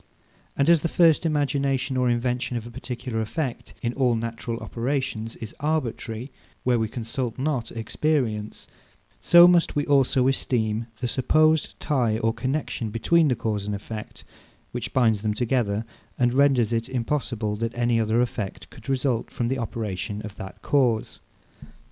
And as the first imagination or invention of a particular effect, in all natural operations, is arbitrary, where we consult not experience; so must we also esteem the supposed tie or connexion between the cause and effect, which binds them together, and renders it impossible that any other effect could result from the operation of that cause.